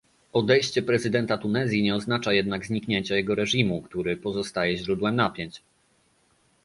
Odejście prezydenta Tunezji nie oznacza jednak zniknięcia jego reżimu, który pozostaje źródłem napięć